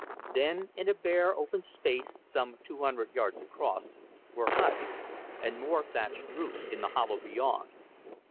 Then in a bare open space some two hundred yards across, were huts, and more thatched roofs in the hollow beyond.